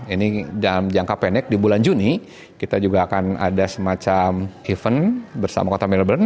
ini dalam jangka pendek di bulan juni kita juga akan ada semacam event bersama kota melbourne